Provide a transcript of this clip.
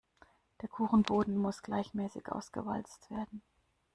Der Kuchenboden muss gleichmäßig ausgewalzt werden.